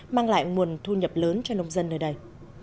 mang lại nguồn thu nhập lớn cho nông dân nơi đây